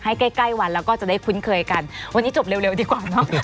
ใกล้ใกล้วันแล้วก็จะได้คุ้นเคยกันวันนี้จบเร็วดีกว่าเนอะ